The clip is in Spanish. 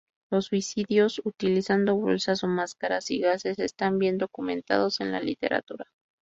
Los suicidios utilizando bolsas o máscaras y gases están bien documentados en la literatura.